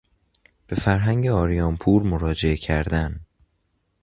به فرهنگ آریانپور مراجعه کردن